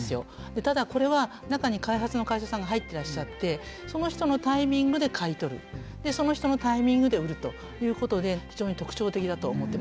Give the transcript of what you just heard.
ただこれは中に開発の会社さんが入ってらっしゃってその人のタイミングで買い取るその人のタイミングで売るということで非常に特徴的だと思ってます。